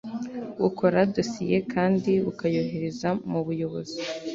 bukora dosiye kandi bukayohereza mu buyobozi